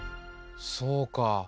そうかあ。